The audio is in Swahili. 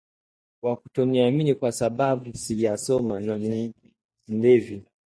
Wa kutoniamini kwa sababu sijasoma na ni mlevi